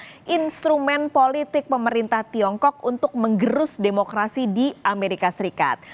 karena tiktok adalah instrumen politik pemerintah tiongkok untuk mengerus demokrasi di amerika serikat